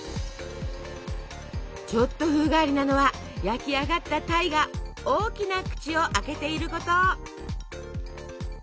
ちょっと風変わりなのは焼き上がった鯛が大きな口を開けていること。